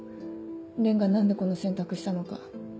蓮が何でこの選択したのか。